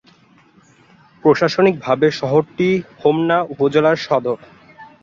প্রশাসনিকভাবে শহরটি হোমনা উপজেলার সদর।